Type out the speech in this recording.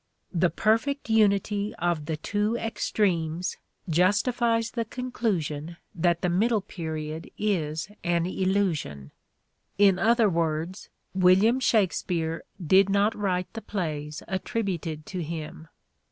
The perfect unity of the two extremes justifies the conclusion that the middle period is an 54 " SHAKESPEARE " IDENTIFIED illusion : in other words William Shakspere did not write the plays attributed to him.